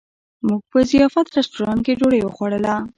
موږ په ضیافت رسټورانټ کې ډوډۍ وخوړله.